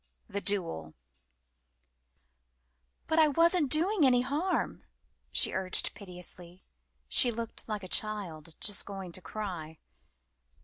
THE DUEL "BUT I wasn't doing any harm," she urged piteously. She looked like a child just going to cry.